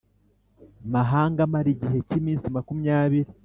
Mahanga amara igihe cy iminsi makumyabiri